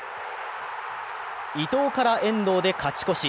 伊藤から遠藤で勝ち越し。